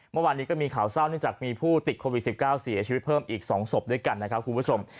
เมื่อวานนี้ก็มีข่าวเศร้าเนื่องจากมีผู้ติดโควิด๑๙เสียชีวิตเพิ่มอีก๒ศพด้วยกันนะครับคุณผู้ชม